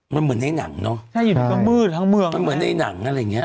มันเหมือนในหนังเนาะใช่ใช่เหมือนในหนังอะไรอย่างเงี้ย